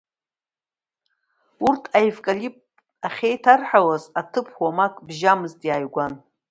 Урҭ аевкалипт ахьеиҭарҳауаз аҭыԥ уамак бжьамызт, иааигәан.